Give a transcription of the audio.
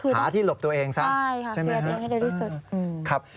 หาที่หลบตัวเองซะใช่ไหมคะใช่ค่ะหาที่หลบตัวเองให้เร็วที่สุด